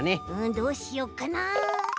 どうしよっかな。